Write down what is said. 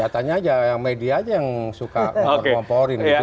ternyata aja media aja yang suka ngompor ngomporin